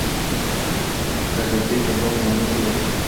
Korporativ tarmoq ma'muri kerak